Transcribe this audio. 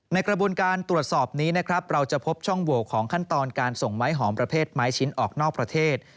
ในกระบวนการตรวจสอบนี้นะครับเราจะพบช่องโหวของขั้นตอนการส่งไม้หอมประเภทไม้ชิ้นออกนอกประเทศ